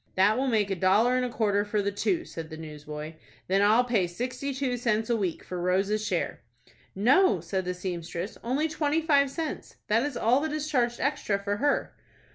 "That will make a dollar and a quarter for the two," said the newsboy. "Then I'll pay sixty two cents a week for Rose's share." "No," said the seamstress,—"only twenty five cents. That is all that is charged extra for her."